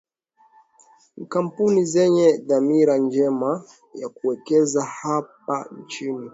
Ni kampuni zenye dhamira njema ya kuwekeza hapa nchini